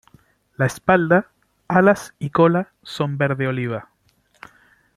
La espalda, alas y cola son verde oliva.